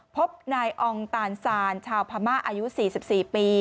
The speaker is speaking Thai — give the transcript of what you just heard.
พบนายอองตานซานชาวพม่าอายุ๔๔ปี